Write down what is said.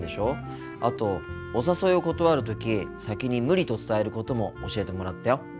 あとお誘いを断る時先に「無理」と伝えることも教えてもらったよ。